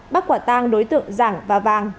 bắt quả tang đối tượng giảng và vàng